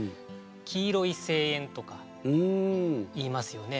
黄色い声援とか言いますよね。